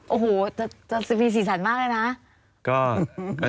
โอ้โหจะมีสีสันมากเลยนะ